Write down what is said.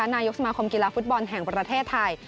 นายกสมาคมกีฬาฟุตบอลแห่งประเทศไทย